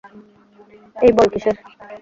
এই বল কীসের?